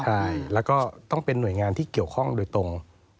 ใช่แล้วก็ต้องเป็นหน่วยงานที่เกี่ยวข้องโดยตรง